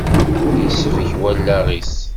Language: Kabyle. Isbek wallaɣ-is.